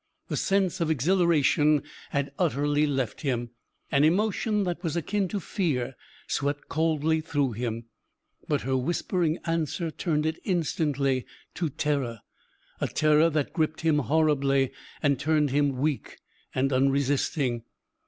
The sense of exhilaration had utterly left him. An emotion that was akin to fear swept coldly through him. But her whispering answer turned it instantly to terror a terror that gripped him horribly and turned him weak and unresisting.